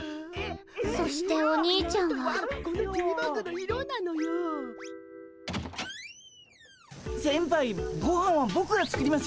そしてお兄ちゃんは先輩ごはんはボクが作りますよ。